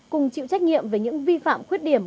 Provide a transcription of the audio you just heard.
cùng chịu trách nhiệm về những vi phạm khuyết điểm